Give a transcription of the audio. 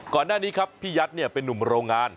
ก่อนหน้านี้ครับพี่ยัดเป็นนุ่มโรงงาน